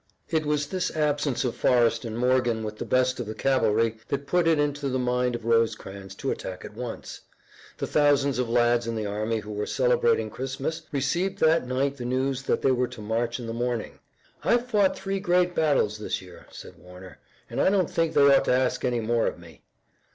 It was this absence of Forrest and Morgan with the best of the cavalry that put it into the mind of Rosecrans to attack at once. The thousands of lads in the army who were celebrating Christmas received that night the news that they were to march in the morning. "I've fought three great battles this year," said Warner, "and I don't think they ought to ask any more of me."